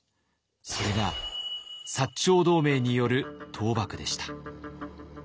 それが長同盟による倒幕でした。